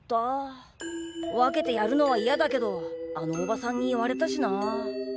分けてやるのはいやだけどあのおばさんに言われたしな。